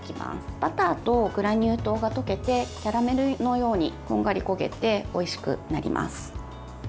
バターとグラニュー糖が溶けてキャラメルのようにこんがり焦げておいしくなります。